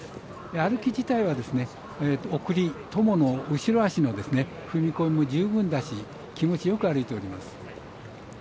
歩き自体は、トモの後ろ脚の踏み込みも十分だし気持ちよく歩いております。